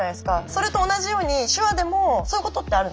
それと同じように手話でもそういうことってあるんですか？